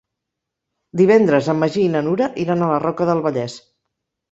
Divendres en Magí i na Nura iran a la Roca del Vallès.